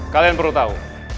kalian perlu tahu